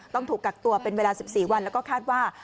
ต้องถูกกักตัวเป็นเวลา๑๔วันแล้วก็คาดว่า